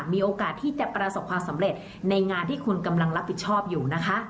มีโอกาสที่จะประสบความสำเร็จในงานที่คุณกำลังรับผิดชอบอยู่นะคะ